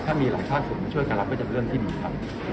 ถ้ามีหลายภาคส่วนมาช่วยกันรับก็จะเป็นเรื่องที่ดีครับ